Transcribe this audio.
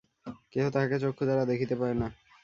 কেহ তাঁহাকে চক্ষুদ্বারা দেখিতে পায় না।